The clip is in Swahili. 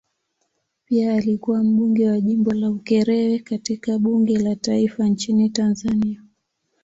Pia alikuwa mbunge wa jimbo la Ukerewe katika bunge la taifa nchini Tanzania.